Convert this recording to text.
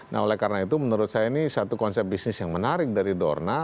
nah oleh karena itu menurut saya ini satu konsep bisnis yang menarik dari dorna